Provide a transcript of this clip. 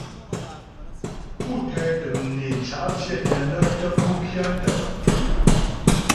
Pú tɛ də̀m né cǎ' pfyə̂tə nə́ tə́ pú kyə̂tə.